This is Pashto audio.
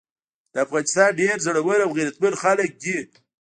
د افغانستان ډير زړور او غيرتمن خلګ دي۔